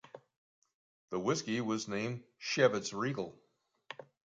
The whisky was named Chivas Regal.